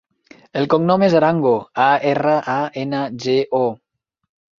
El cognom és Arango: a, erra, a, ena, ge, o.